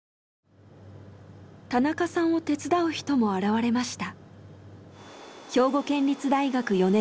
田中さんを手伝う人も現れました。